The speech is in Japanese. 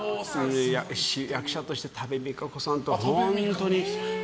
役者として多部未華子さんとか、本当に。